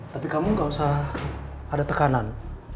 tapi kamu gak usah ada tekanan